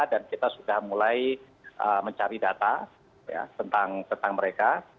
kita sudah mulai mencari data tentang mereka